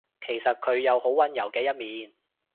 其實佢有好溫柔嘅一面